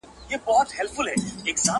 لپی لپی یې لا ورکړل غیرانونه،